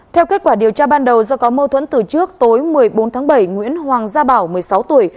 theo kết quả điều tra ban đầu do có mâu thuẫn từ trước tối một mươi bốn tháng bảy nguyễn hoàng gia bảo một mươi sáu tuổi